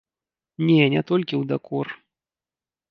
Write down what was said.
Не, не толькі ў дакор.